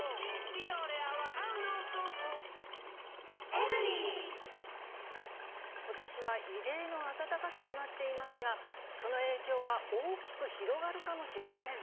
ビオレ泡ハンドソープ」ことしは異例の暖かさとなっていますが、その影響が大きく広がるかもしれません。